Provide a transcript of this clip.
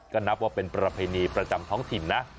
ก็นับว่าเป็นประเพณีประจำท้องถิ่นนะ